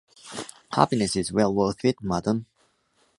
Happiness is well worth it, Madam.